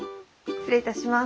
失礼いたします。